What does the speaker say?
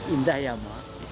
indah ya mak